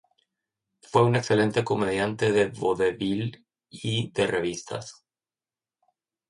Fue un excelente comediante de vodevil y de revistas.